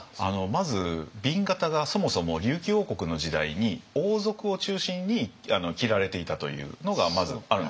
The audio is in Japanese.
まず紅型がそもそも琉球王国の時代に王族を中心に着られていたというのがまずあるんです。